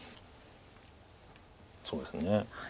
そうですね。